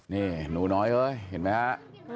นี่หนูน้อยเฮ้ยเห็นมั้ยฮะ